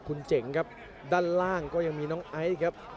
คุณเจ๋งครับด้านล่างก็ยังมีน้องไอซ์ครับ